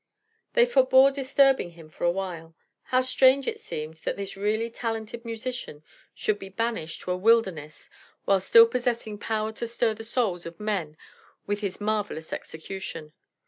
They forebore disturbing him for a while. How strange it seemed that this really talented musician should be banished to a wilderness while still possessing power to stir the souls of men with his marvelous execution.